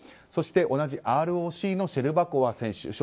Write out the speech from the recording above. そして同じＲＯＣのシェルバコワ選手